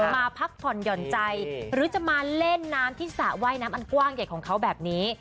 มาพักผ่อนหย่อนใจหรือจะมาเล่นน้ำที่สระว่ายน้ำอันกว้างใหญ่ของเขาแบบนี้